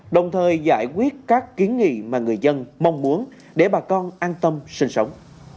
đồng thời giải quyết các kiến nghị mà người dân mong muốn để bà con an tâm sinh sống